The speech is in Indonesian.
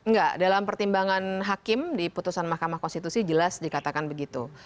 enggak dalam pertimbangan hakim di putusan mahkamah konstitusi jelas dikatakan begitu